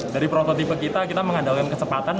dari prototipe kita kita mengandalkan kecepatan